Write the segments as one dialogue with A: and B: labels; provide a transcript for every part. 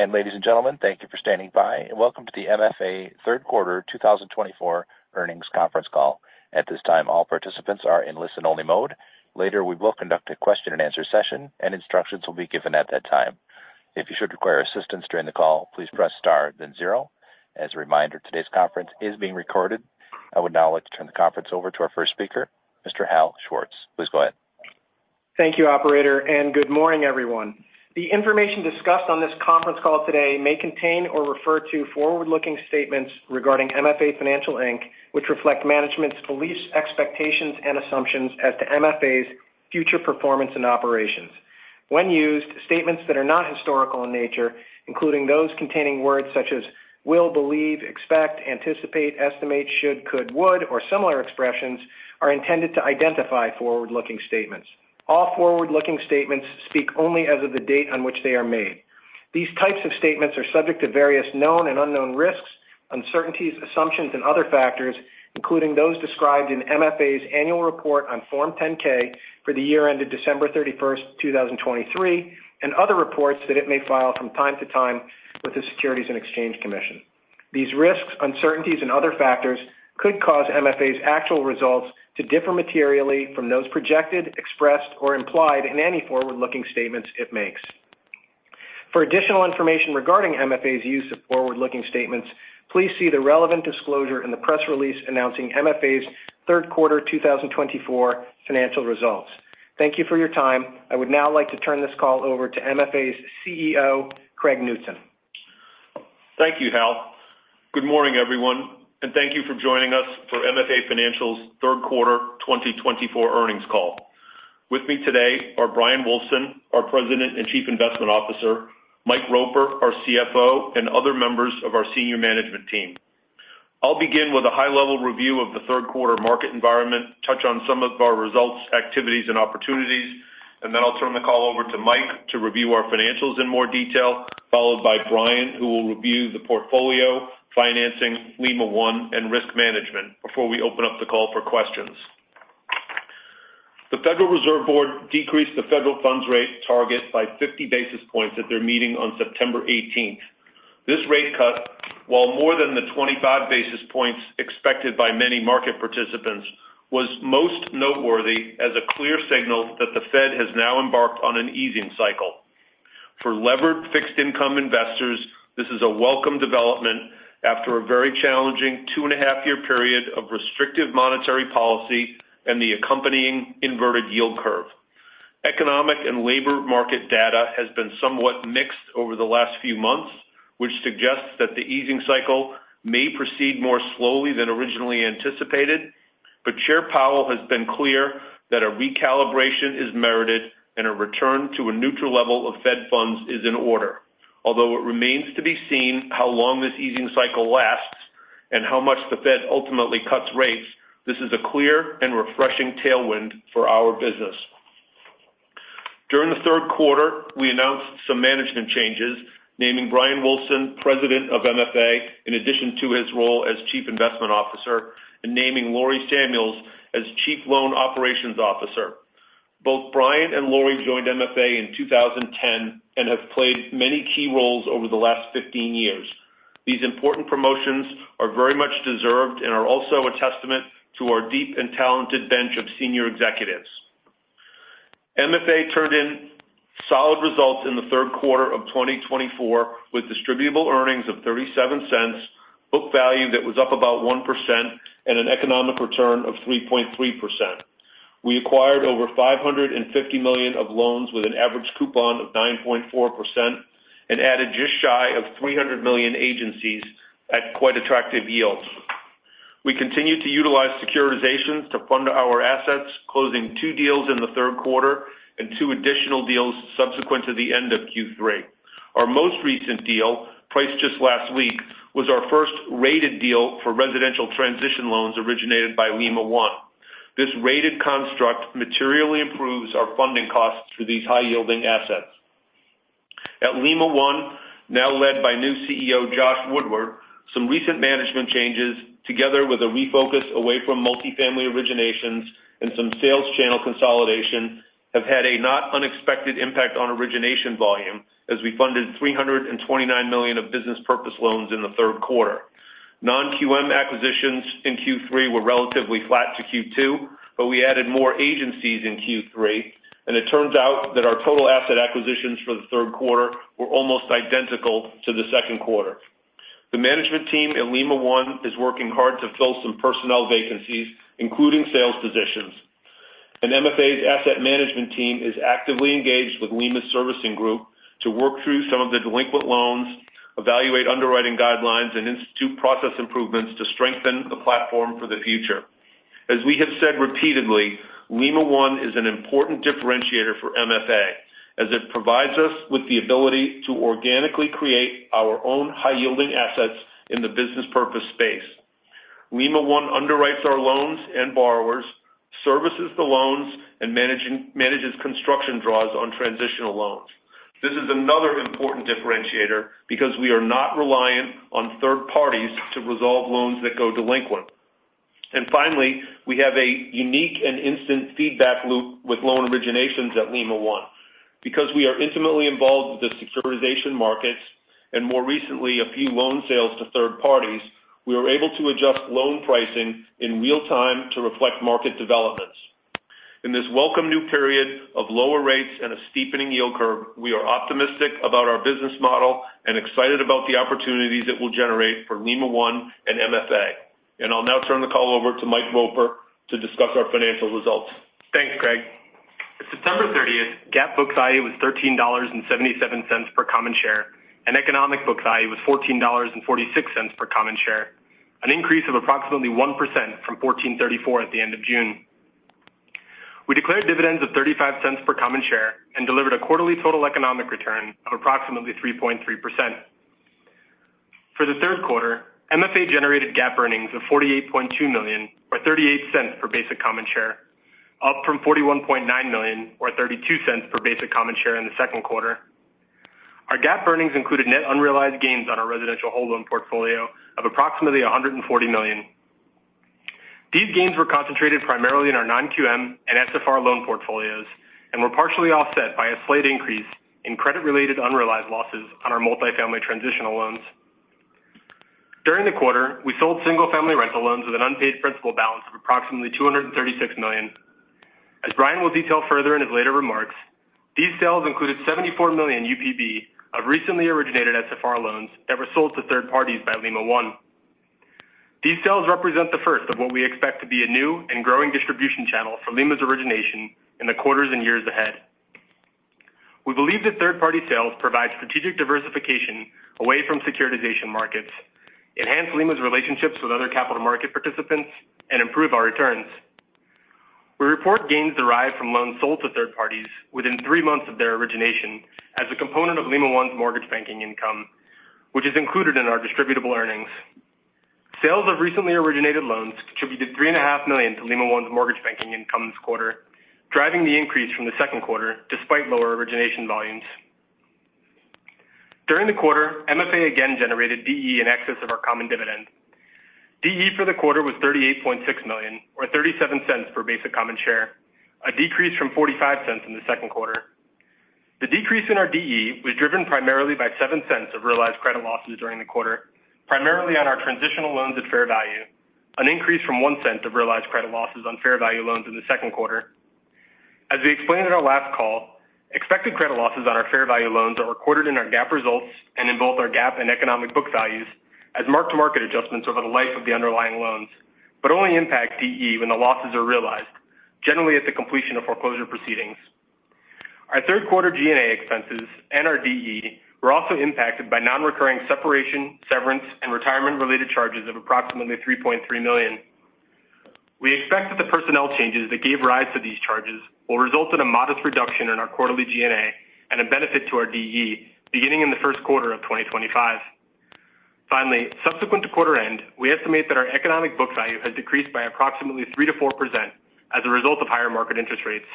A: And ladies and gentlemen, thank you for standing by, and welcome to the MFA Third Quarter 2024 earnings conference call. At this time, all participants are in listen-only mode. Later, we will conduct a question-and-answer session, and instructions will be given at that time. If you should require assistance during the call, please press star, then zero. As a reminder, today's conference is being recorded. I would now like to turn the conference over to our first speaker, Mr. Hal Schwartz. Please go ahead.
B: Thank you, Operator, and good morning, everyone. The information discussed on this conference call today may contain or refer to forward-looking statements regarding MFA Financial Inc., which reflect management's beliefs, expectations, and assumptions as to MFA's future performance and operations. When used, statements that are not historical in nature, including those containing words such as will, believe, expect, anticipate, estimate, should, could, would, or similar expressions, are intended to identify forward-looking statements. All forward-looking statements speak only as of the date on which they are made. These types of statements are subject to various known and unknown risks, uncertainties, assumptions, and other factors, including those described in MFA's annual report on Form 10-K for the year ended December 31st, 2023, and other reports that it may file from time to time with the Securities and Exchange Commission. These risks, uncertainties, and other factors could cause MFA's actual results to differ materially from those projected, expressed, or implied in any forward-looking statements it makes. For additional information regarding MFA's use of forward-looking statements, please see the relevant disclosure in the press release announcing MFA's Third Quarter 2024 financial results. Thank you for your time. I would now like to turn this call over to MFA's CEO, Craig Knutson.
C: Thank you, Hal. Good morning, everyone, and thank you for joining us for MFA Financial's Third Quarter 2024 earnings call. With me today are Bryan Wulfsohn, our President and Chief Investment Officer; Mike Roper, our CFO; and other members of our senior management team. I'll begin with a high-level review of the third quarter market environment, touch on some of our results, activities, and opportunities, and then I'll turn the call over to Mike to review our financials in more detail, followed by Bryan, who will review the portfolio, financing, Lima One, and risk management before we open up the call for questions. The Federal Reserve Board decreased the federal funds rate target by 50 basis points at their meeting on September 18th. This rate cut, while more than the 25 basis points expected by many market participants, was most noteworthy as a clear signal that the Fed has now embarked on an easing cycle. For levered fixed-income investors, this is a welcome development after a very challenging two-and-a-half-year period of restrictive monetary policy and the accompanying inverted yield curve. Economic and labor market data has been somewhat mixed over the last few months, which suggests that the easing cycle may proceed more slowly than originally anticipated, but Chair Powell has been clear that a recalibration is merited and a return to a neutral level of Fed funds is in order. Although it remains to be seen how long this easing cycle lasts and how much the Fed ultimately cuts rates, this is a clear and refreshing tailwind for our business. During the third quarter, we announced some management changes, naming Bryan Wulfsohn, President of MFA, in addition to his role as Chief Investment Officer, and naming Lori Samuels as Chief Loan Operations Officer. Both Bryan and Lori joined MFA in 2010 and have played many key roles over the last 15 years. These important promotions are very much deserved and are also a testament to our deep and talented bench of senior executives. MFA turned in solid results in the third quarter of 2024 with distributable earnings of $0.37, book value that was up about 1%, and an economic return of 3.3%. We acquired over $550 million of loans with an average coupon of 9.4% and added just shy of $300 million agencies at quite attractive yields. We continue to utilize securitization to fund our assets, closing two deals in the third quarter and two additional deals subsequent to the end of Q3. Our most recent deal, priced just last week, was our first rated deal for residential transition loans originated by Lima One. This rated construct materially improves our funding costs for these high-yielding assets. At Lima One, now led by new CEO Josh Woodward, some recent management changes, together with a refocus away from multifamily originations and some sales channel consolidation, have had a not unexpected impact on origination volume as we funded $329 million of business purpose loans in the third quarter. Non-QM acquisitions in Q3 were relatively flat to Q2, but we added more agencies in Q3, and it turns out that our total asset acquisitions for the third quarter were almost identical to the second quarter. The management team at Lima One is working hard to fill some personnel vacancies, including sales positions. And MFA's asset management team is actively engaged with Lima's servicing group to work through some of the delinquent loans, evaluate underwriting guidelines, and institute process improvements to strengthen the platform for the future. As we have said repeatedly, Lima One is an important differentiator for MFA as it provides us with the ability to organically create our own high-yielding assets in the business purpose space. Lima One underwrites our loans and borrowers, services the loans, and manages construction draws on transitional loans. This is another important differentiator because we are not reliant on third parties to resolve loans that go delinquent. And finally, we have a unique and instant feedback loop with loan originations at Lima One. Because we are intimately involved with the securitization markets and, more recently, a few loan sales to third parties, we are able to adjust loan pricing in real time to reflect market developments. In this welcome new period of lower rates and a steepening yield curve, we are optimistic about our business model and excited about the opportunities it will generate for Lima One and MFA, and I'll now turn the call over to Mike Roper to discuss our financial results.
D: Thanks, Craig. September 30th, GAAP book value was $13.77 per common share, and economic book value was $14.46 per common share, an increase of approximately 1% from $14.34 at the end of June. We declared dividends of $0.35 per common share and delivered a quarterly total economic return of approximately 3.3%. For the third quarter, MFA generated GAAP earnings of $48.2 million, or $0.38 per basic common share, up from $41.9 million, or $0.32 per basic common share in the second quarter. Our GAAP earnings included net unrealized gains on our residential whole loan portfolio of approximately $140 million. These gains were concentrated primarily in our non-QM and SFR loan portfolios and were partially offset by a slight increase in credit-related unrealized losses on our multifamily transitional loans. During the quarter, we sold single-family rental loans with an unpaid principal balance of approximately $236 million. As Bryan will detail further in his later remarks, these sales included $74 million UPB of recently originated SFR loans that were sold to third parties by Lima One. These sales represent the first of what we expect to be a new and growing distribution channel for Lima's origination in the quarters and years ahead. We believe that third-party sales provide strategic diversification away from securitization markets, enhance Lima's relationships with other capital market participants, and improve our returns. We report gains derived from loans sold to third parties within three months of their origination as a component of Lima One's mortgage banking income, which is included in our distributable earnings. Sales of recently originated loans contributed $3.5 million to Lima One's mortgage banking income this quarter, driving the increase from the second quarter despite lower origination volumes. During the quarter, MFA again generated DE in excess of our common dividend. DE for the quarter was $38.6 million, or $0.37 per basic common share, a decrease from $0.45 in the second quarter. The decrease in our DE was driven primarily by $0.07 of realized credit losses during the quarter, primarily on our transitional loans at fair value, an increase from $0.01 of realized credit losses on fair value loans in the second quarter. As we explained in our last call, expected credit losses on our fair value loans are recorded in our GAAP results and in both our GAAP and economic book values as mark-to-market adjustments over the life of the underlying loans, but only impact DE when the losses are realized, generally at the completion of foreclosure proceedings. Our third quarter G&A expenses and our DE were also impacted by non-recurring separation, severance, and retirement-related charges of approximately $3.3 million. We expect that the personnel changes that gave rise to these charges will result in a modest reduction in our quarterly G&A and a benefit to our DE beginning in the first quarter of 2025. Finally, subsequent to quarter end, we estimate that our economic book value has decreased by approximately 3%-4% as a result of higher market interest rates.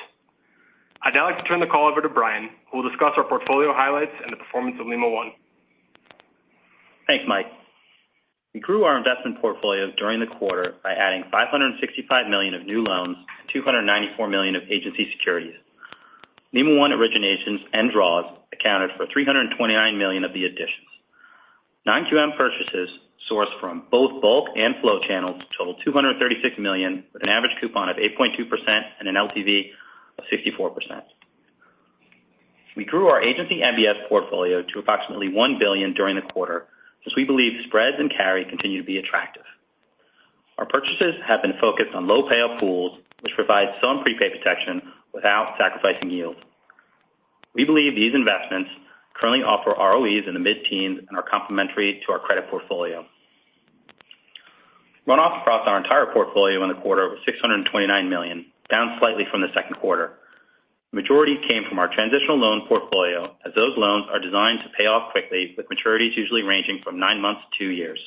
D: I'd now like to turn the call over to Bryan, who will discuss our portfolio highlights and the performance of Lima One.
E: Thanks, Mike. We grew our investment portfolio during the quarter by adding $565 million of new loans and $294 million of agency securities. Lima One originations and draws accounted for $329 million of the additions. Non-QM purchases sourced from both bulk and flow channels totaled $236 million, with an average coupon of 8.2% and an LTV of 64%. We grew our agency MBS portfolio to approximately $1 billion during the quarter, as we believe spreads and carry continue to be attractive. Our purchases have been focused on low pay-up pools, which provide some prepay protection without sacrificing yield. We believe these investments currently offer ROEs in the mid-teens and are complementary to our credit portfolio. Runoff across our entire portfolio in the quarter was $629 million, down slightly from the second quarter. The majority came from our transitional loan portfolio, as those loans are designed to pay off quickly, with maturities usually ranging from nine months to two years.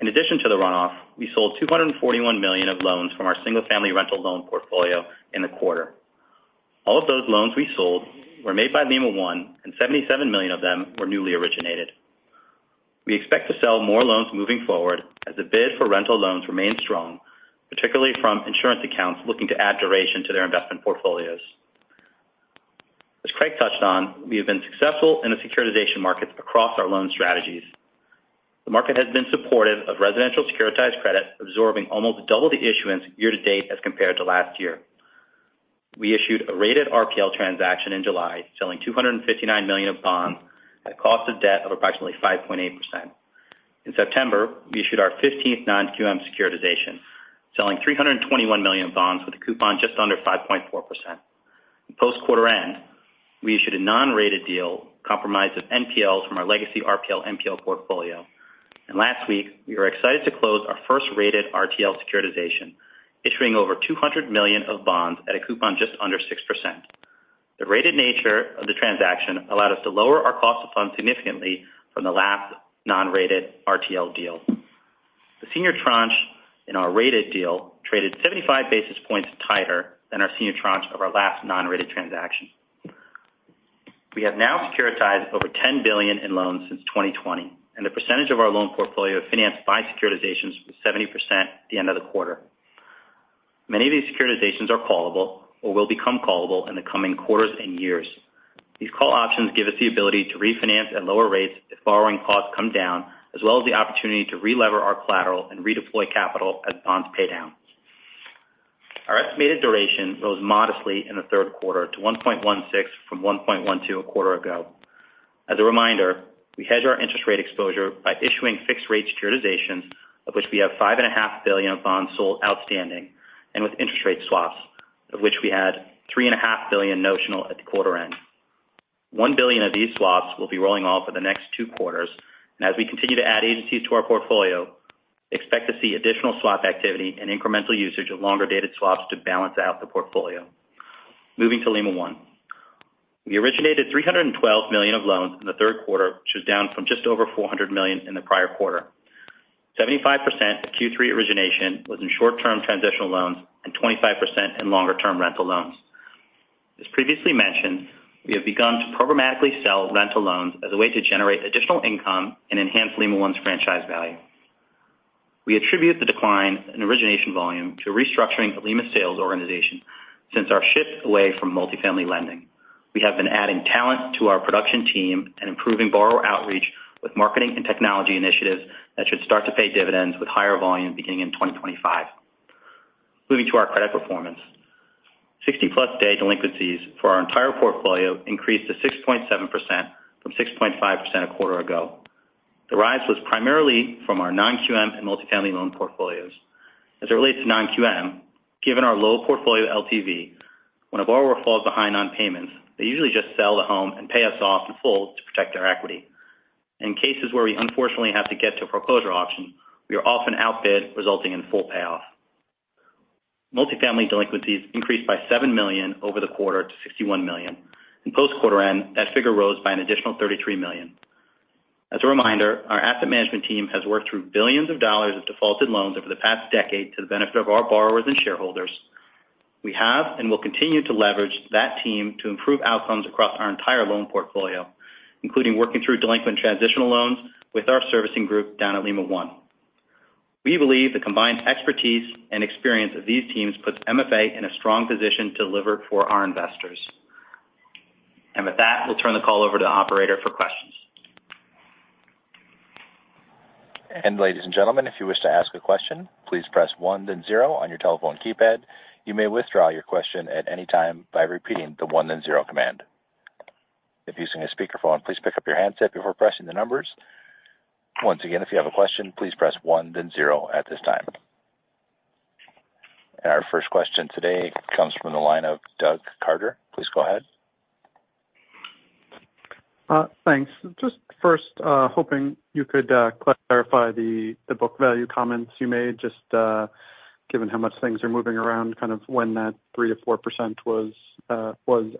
E: In addition to the runoff, we sold $241 million of loans from our single-family rental loan portfolio in the quarter. All of those loans we sold were made by Lima One, and $77 million of them were newly originated. We expect to sell more loans moving forward as the bid for rental loans remains strong, particularly from insurance accounts looking to add duration to their investment portfolios. As Craig touched on, we have been successful in the securitization markets across our loan strategies. The market has been supportive of residential securitized credit, absorbing almost double the issuance year-to-date as compared to last year. We issued a rated RPL transaction in July, selling $259 million of bonds at a cost of debt of approximately 5.8%. In September, we issued our 15th non-QM securitization, selling $321 million of bonds with a coupon just under 5.4%. Post-quarter end, we issued a non-rated deal comprised of NPLs from our legacy RPL/NPL portfolio. And last week, we were excited to close our first rated RTL securitization, issuing over $200 million of bonds at a coupon just under 6%. The rated nature of the transaction allowed us to lower our cost of funds significantly from the last non-rated RTL deal. The senior tranche in our rated deal traded 75 basis points tighter than our senior tranche of our last non-rated transaction. We have now securitized over $10 billion in loans since 2020, and the percentage of our loan portfolio financed by securitizations was 70% at the end of the quarter. Many of these securitizations are callable or will become callable in the coming quarters and years. These call options give us the ability to refinance at lower rates if borrowing costs come down, as well as the opportunity to re-lever our collateral and redeploy capital as bonds pay down. Our estimated duration rose modestly in the third quarter to 1.16% from 1.12% a quarter ago. As a reminder, we hedge our interest rate exposure by issuing fixed-rate securitizations, of which we have $5.5 billion of bonds sold outstanding and with interest rate swaps, of which we had $3.5 billion notional at the quarter end. One billion of these swaps will be rolling off for the next two quarters. And as we continue to add agencies to our portfolio, we expect to see additional swap activity and incremental usage of longer-dated swaps to balance out the portfolio. Moving to Lima One. We originated $312 million of loans in the third quarter, which was down from just over $400 million in the prior quarter. 75% of Q3 origination was in short-term transitional loans and 25% in longer-term rental loans. As previously mentioned, we have begun to programmatically sell rental loans as a way to generate additional income and enhance Lima One's franchise value. We attribute the decline in origination volume to restructuring of Lima's sales organization since our shift away from multifamily lending. We have been adding talent to our production team and improving borrower outreach with marketing and technology initiatives that should start to pay dividends with higher volume beginning in 2025. Moving to our credit performance. 60-plus-day delinquencies for our entire portfolio increased to 6.7% from 6.5% a quarter ago. The rise was primarily from our non-QM and multifamily loan portfolios. As it relates to non-QM, given our low portfolio LTV, when a borrower falls behind on payments, they usually just sell the home and pay us off in full to protect their equity. In cases where we unfortunately have to get to a foreclosure auction, we are often outbid, resulting in full payoff. Multifamily delinquencies increased by $7 million over the quarter to $61 million. In post-quarter end, that figure rose by an additional $33 million. As a reminder, our asset management team has worked through billions of dollars of defaulted loans over the past decade to the benefit of our borrowers and shareholders. We have and will continue to leverage that team to improve outcomes across our entire loan portfolio, including working through delinquent transitional loans with our servicing group down at Lima One. We believe the combined expertise and experience of these teams puts MFA in a strong position to deliver for our investors, and with that, we'll turn the call over to the operator for questions.
A: Ladies and gentlemen, if you wish to ask a question, please press 1, then 0 on your telephone keypad. You may withdraw your question at any time by repeating the one, then zero command. If using a speakerphone, please pick up your handset before pressing the numbers. Once again, if you have a question, please press one, then zero at this time. Our first question today comes from the line of Doug Harter. Please go ahead.
F: Thanks. Just first, hoping you could clarify the book value comments you made, just given how much things are moving around, kind of when that 3%-4% was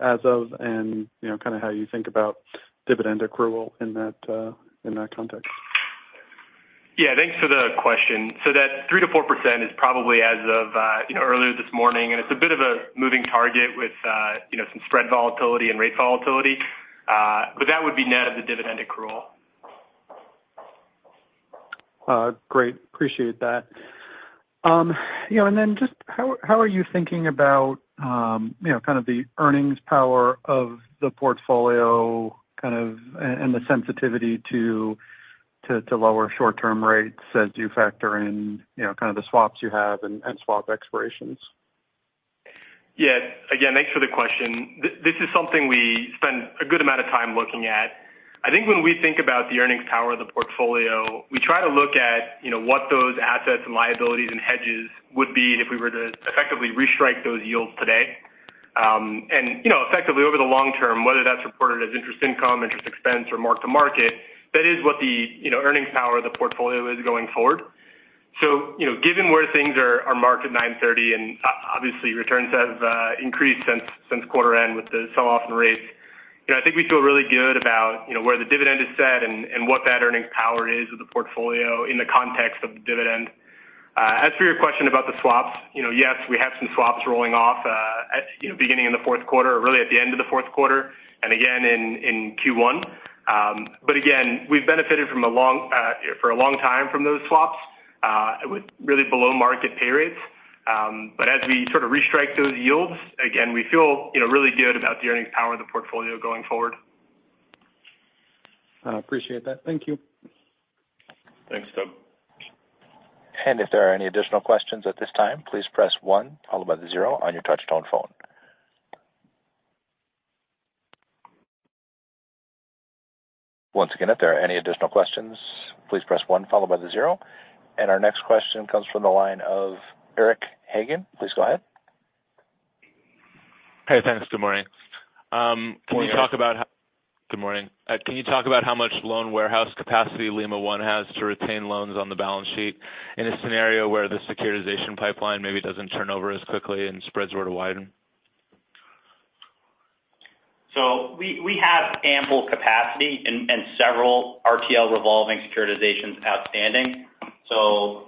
F: as of and kind of how you think about dividend accrual in that context?
D: Yeah, thanks for the question. So that 3%-4% is probably as of earlier this morning, and it's a bit of a moving target with some spread volatility and rate volatility, but that would be net of the dividend accrual.
F: Great. Appreciate that. And then, just how are you thinking about kind of the earnings power of the portfolio kind of and the sensitivity to lower short-term rates as you factor in kind of the swaps you have and swap expirations?
D: Yeah. Again, thanks for the question. This is something we spend a good amount of time looking at. I think when we think about the earnings power of the portfolio, we try to look at what those assets and liabilities and hedges would be if we were to effectively restrike those yields today. And effectively, over the long term, whether that's reported as interest income, interest expense, or mark to market, that is what the earnings power of the portfolio is going forward. So given where things are marked at 9/30, and obviously, returns have increased since quarter end with the sell-off in rates, I think we feel really good about where the dividend is set and what that earnings power is of the portfolio in the context of the dividend. As for your question about the swaps, yes, we have some swaps rolling off beginning in the fourth quarter or really at the end of the fourth quarter and again in Q1. But again, we've benefited for a long time from those swaps with really below-market pay rates. But as we sort of restrike those yields, again, we feel really good about the earnings power of the portfolio going forward.
F: Appreciate that. Thank you.
C: Thanks, Doug.
A: If there are any additional questions at this time, please press one, followed by the zero, on your touch-tone phone. Once again, if there are any additional questions, please press one, followed by the zero. Our next question comes from the line of Eric Hagen. Please go ahead.
G: Hey, thanks. Good morning. Can you talk about.
C: Good morning.
G: Good morning. Can you talk about how much loan warehouse capacity Lima One has to retain loans on the balance sheet in a scenario where the securitization pipeline maybe doesn't turn over as quickly and spreads were to widen?
E: So we have ample capacity and several RTL revolving securitizations outstanding. So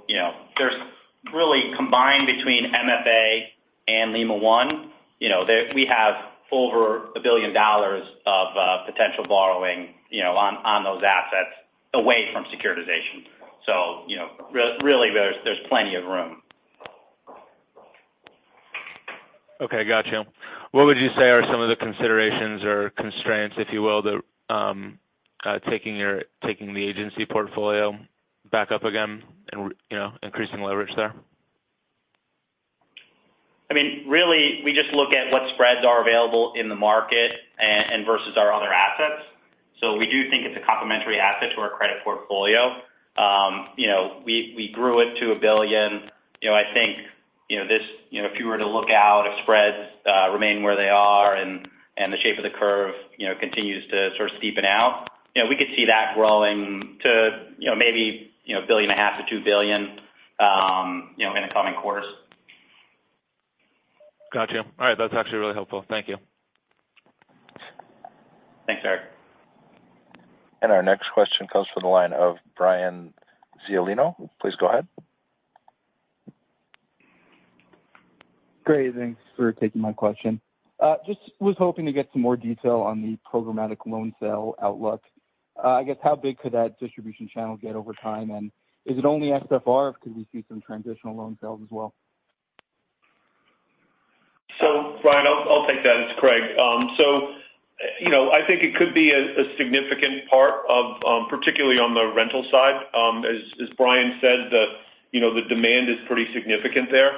E: really, combined between MFA and Lima One, we have over $1 billion of potential borrowing on those assets away from securitization. So really, there's plenty of room.
G: Okay. Gotcha. What would you say are some of the considerations or constraints, if you will, that are taking the agency portfolio back up again and increasing leverage there?
E: I mean, really, we just look at what spreads are available in the market versus our other assets. So we do think it's a complementary asset to our credit portfolio. We grew it to $1 billion. I think if you were to look out, if spreads remain where they are and the shape of the curve continues to sort of steepen out, we could see that growing to maybe $1.5 billion-$2 billion in the coming quarters.
G: Gotcha. All right. That's actually really helpful. Thank you.
E: Thanks, Eric.
A: Our next question comes from the line of Brian [Ziolino]. Please go ahead. Great. Thanks for taking my question. Just was hoping to get some more detail on the programmatic loan sale outlook. I guess, how big could that distribution channel get over time? And is it only SFR, or could we see some transitional loan sales as well?
C: So, Bryan, I'll take that. It's Craig. So I think it could be a significant part of, particularly on the rental side. As Bryan said, the demand is pretty significant there.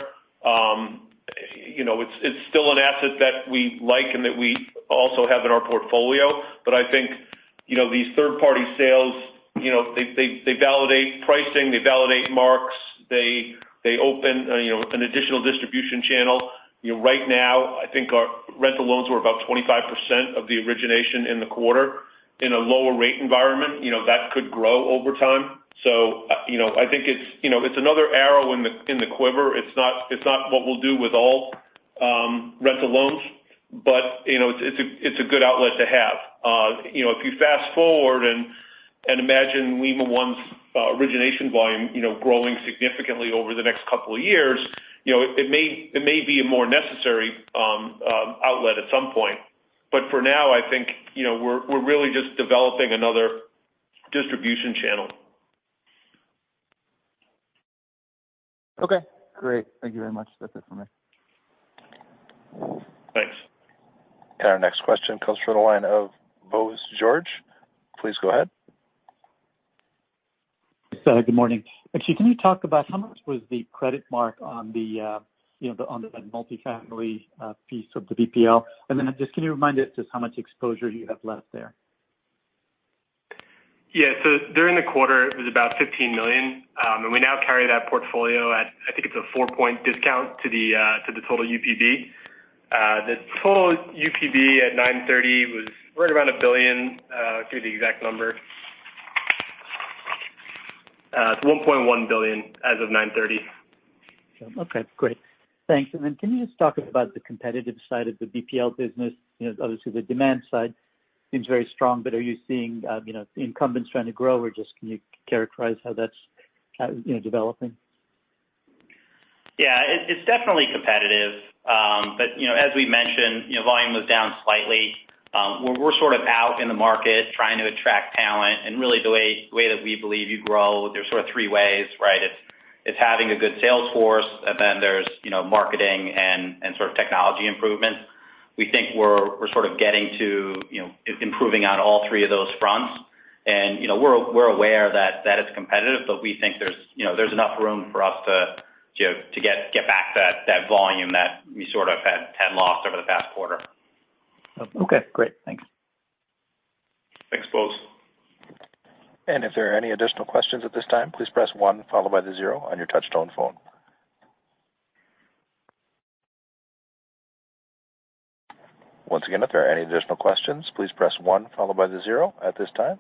C: It's still an asset that we like and that we also have in our portfolio. But I think these third-party sales, they validate pricing, they validate marks, they open an additional distribution channel. Right now, I think our rental loans were about 25% of the origination in the quarter. In a lower-rate environment, that could grow over time. So I think it's another arrow in the quiver. It's not what we'll do with all rental loans, but it's a good outlet to have. If you fast-forward and imagine Lima One's origination volume growing significantly over the next couple of years, it may be a more necessary outlet at some point. But for now, I think we're really just developing another distribution channel. Okay. Great. Thank you very much. That's it for me. Thanks.
A: Our next question comes from the line of Bose George. Please go ahead.
H: Good morning. Actually, can you talk about how much was the credit mark on the multifamily piece of the BPL? And then just can you remind us just how much exposure you have left there?
D: Yeah. So during the quarter, it was about $15 million. And we now carry that portfolio at, I think it's a four-point discount to the total UPB. The total UPB at 9/30 was right around a billion, give you the exact number. It's $1.1 billion as of 9/30.
H: Okay. Great. Thanks. And then can you just talk about the competitive side of the BPL business? Obviously, the demand side seems very strong, but are you seeing incumbents trying to grow, or just can you characterize how that's developing?
D: Yeah. It's definitely competitive. But as we mentioned, volume was down slightly. We're sort of out in the market trying to attract talent. And really, the way that we believe you grow, there's sort of three ways, right? It's having a good sales force, and then there's marketing and sort of technology improvements. We think we're sort of getting to improving on all three of those fronts. And we're aware that it's competitive, but we think there's enough room for us to get back that volume that we sort of had lost over the past quarter.
H: Okay. Great. Thanks.
C: Thanks, Bose.
A: And if there are any additional questions at this time, please press 1, followed by the 0, on your touch-tone phone. Once again, if there are any additional questions, please press one, followed by the zero, at this time.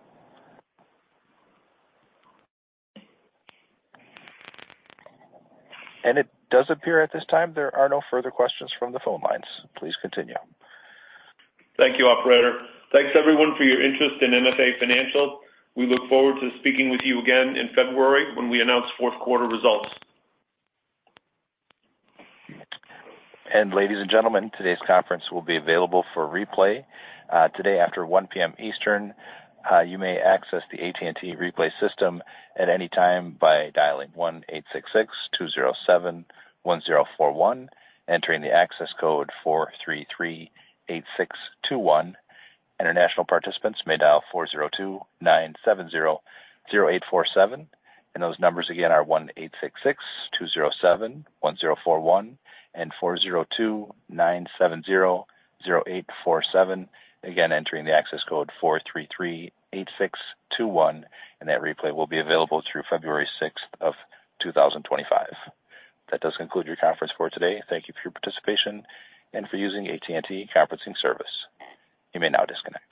A: And it does appear at this time there are no further questions from the phone lines. Please continue.
C: Thank you, operator. Thanks, everyone, for your interest in MFA Financial. We look forward to speaking with you again in February when we announce fourth-quarter results.
A: And ladies and gentlemen, today's conference will be available for replay today after 1:00 P.M. Eastern. You may access the AT&T replay system at any time by dialing 1-866-207-1041, entering the access code 4338621. International participants may dial 402-970-0847. And those numbers again are 1-866-207-1041 and 402-970-0847, again entering the access code 4338621. And that replay will be available through February 6th of 2025. That does conclude your conference for today. Thank you for your participation and for using AT&T Conferencing Service. You may now disconnect.